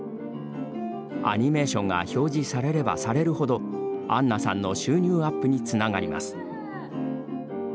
アニメーションが表示されればされるほどアンナさんの収入アップにつながります。